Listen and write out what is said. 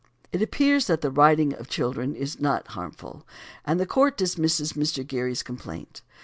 It appears that the riding of the children is not harmful, and the court dismisses Mr. Gerry's complaint.